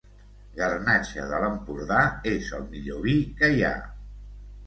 Garnatxa de l'Empordà és el millor vi que hi ha.